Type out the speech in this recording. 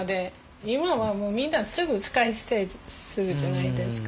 今はもうみんなすぐ使い捨てするじゃないですか。